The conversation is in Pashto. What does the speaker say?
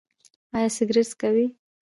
ایا سګرټ څکوئ؟